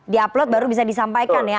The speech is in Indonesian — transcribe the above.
di upload baru bisa disampaikan ya